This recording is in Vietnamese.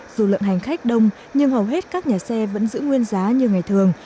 dù lượng hành khách đông nhưng hầu hết các nhà xe vẫn giữ nguyên giá như ngày thường